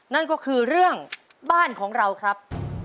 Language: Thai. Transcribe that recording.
นั่นก็คือเรื่องบ้านของเราครับ